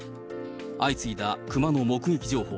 相次いだ熊の目撃情報。